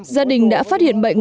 gia đình đã phát hiện bệnh